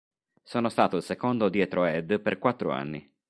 Sono stato il secondo dietro a Ed per quattro anni.